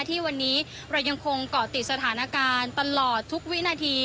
ที่วันนี้เรายังคงเกาะติดสถานการณ์ตลอดทุกวินาที